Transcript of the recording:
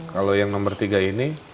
kalau yang nomor tiga ini